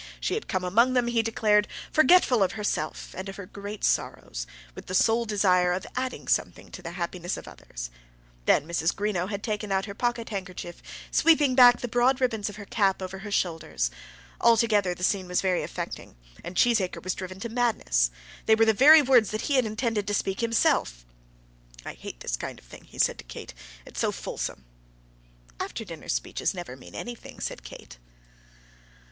She had come among them, he declared, forgetful of herself and of her great sorrows, with the sole desire of adding something to the happiness of others. Then Mrs. Greenow had taken out her pocket handkerchief, sweeping back the broad ribbons of her cap over her shoulders. Altogether the scene was very affecting, and Cheesacre was driven to madness. They were the very words that he had intended to speak himself. "I hate all this kind of thing," he said to Kate. "It's so fulsome." "After dinner speeches never mean anything," said Kate.